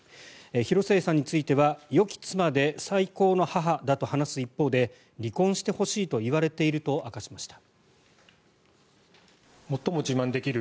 広末さんについては、よき妻で最高の母だと話す一方で離婚してほしいと言われていると明かしました。